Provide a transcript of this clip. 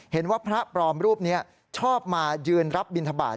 เห็นว่าพระปลอมรูปนี้ชอบมายืนรับบินทบาท